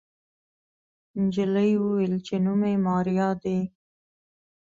نجلۍ وويل چې نوم يې ماريا دی.